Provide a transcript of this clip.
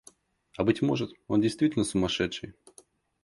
А быть может, он действительно сумасшедший?